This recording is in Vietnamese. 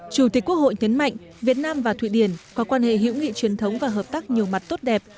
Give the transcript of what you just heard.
chủ tịch quốc hội nhấn mạnh việt nam và thụy điển có quan hệ hữu nghị truyền thống và hợp tác nhiều mặt tốt đẹp